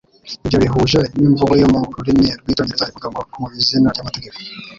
Ibyo bihuje n'imvugo yo mu rurimi rw'icyongereza ivuga ngo “mu izina ry'amategeko